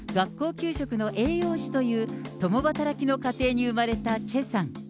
給食の栄養士という、共働きの家庭に生まれたチェさん。